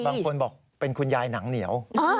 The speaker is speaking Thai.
บางคนบอกเป็นคุณยายหนังเหนียว